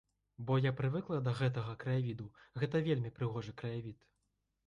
Бо я прывыкла да гэтага краявіду, гэта вельмі прыгожы краявід.